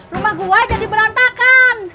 rumah gua jadi berantakan